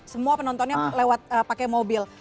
semua penontonnya lewat pakai mobil